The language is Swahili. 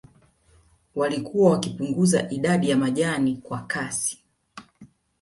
Walikuwa wakipunguza idadi ya majani kwa kasi